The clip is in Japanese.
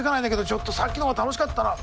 ちょっとさっきの方が楽しかったな。